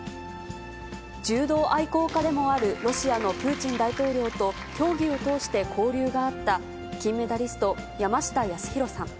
柔道愛好家でもあるロシアのプーチン大統領と、競技を通して交流があった金メダリスト、山下泰裕さん。